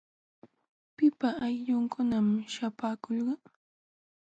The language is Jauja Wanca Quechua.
¿Pipa aylllunkunam śhapaakulqa?